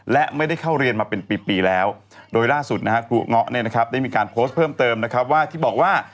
และไม่ได้เข้าเรียนมาเป็นปีแล้วโดยล่าสุดนะฮะครูเงาะเนี่ยนะครับได้มีการโพสต์เพิ่มเติมนะครับว่าที่บอกว่า